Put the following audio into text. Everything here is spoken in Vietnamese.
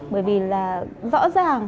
bởi vì là rõ ràng